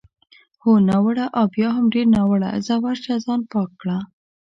هو، ناوړه او بیا هم ډېر ناوړه، ځه ورشه ځان پاک کړه.